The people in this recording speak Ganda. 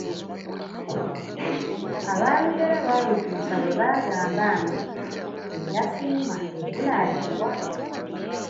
Abaalugera baalutuusa bwe baagamba nti, entasiima ebula agiwa.